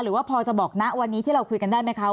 หรือว่าพอจะบอกนะวันนี้ที่เราคุยกันได้ไหมคะ